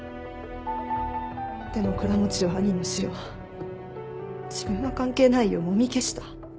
でも倉持は兄の死を自分は関係ないようもみ消した。